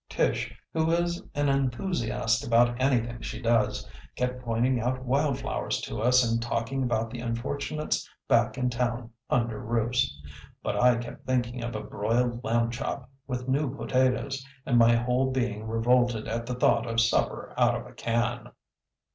Tish, who is an enthusiast about anything she does, kept pointing out wild flowers to us and talking about the unfortunates back in town under roofs. But I kept thinking of a broiled lamb chop with new potatoes, and my whole being revolted at the thought of supper out of a can.